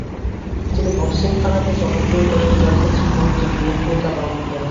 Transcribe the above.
তিনি বক্সিং খেলাকে জনপ্রিয় করে তোলার ক্ষেত্রে গুরুত্বপূর্ণ ভূমিকা পালন করেন।